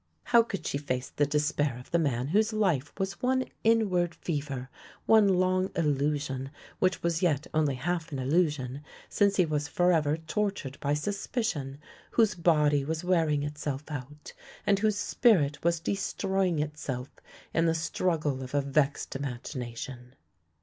" How could she face the despair of the man whose life was one inward fever, one long illusion, which was yet only half an illusion, since he was forever tortured by suspicion; whose body was wearing itself out, and whose spirit was destroying itself in the struggle of a vexed imagination!